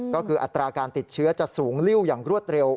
ก็คืออัตราการติดเชื้อจะสูงลิ้วอย่างรวดเร็ว